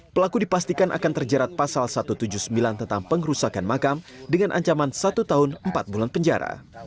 pelaku dipastikan akan terjerat pasal satu ratus tujuh puluh sembilan tentang pengerusakan makam dengan ancaman satu tahun empat bulan penjara